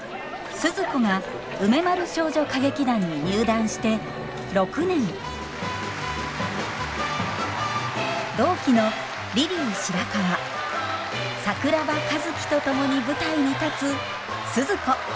スズ子が梅丸少女歌劇団に入団して６年同期のリリー白川桜庭和希と共に舞台に立つスズ子。